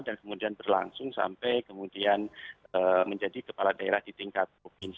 dan kemudian berlangsung sampai kemudian menjadi kepala daerah di tingkat kebupaten